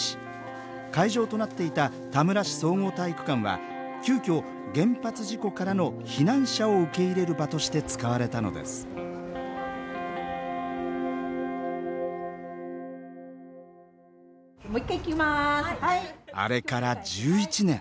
会場となっていた田村市総合体育館は急きょ原発事故からの避難者を受け入れる場として使われたのですもう一回いきます。